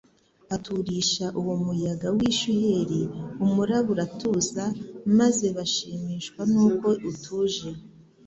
«Aturisha uwo muyaga w'ishuheri, umuraba uratuza, maze bashimishwa nuko utuje,